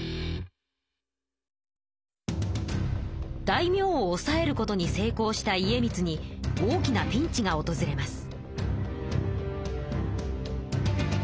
大名を抑えることに成功した家光に大きなピンチがおとずれます。